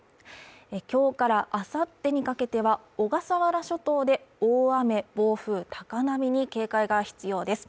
今日からあさってにかけては小笠原諸島で大雨暴風・高波に警戒が必要です